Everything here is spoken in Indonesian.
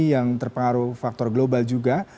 yang terpengaruh faktor global juga